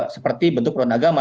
seperti bentuk perundang agama